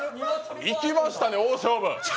いきましたね、大勝負！